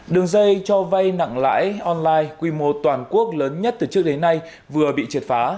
đường dây cho vay nặng lãi online quy mô toàn quốc lớn nhất từ trước đến nay vừa bị triệt phá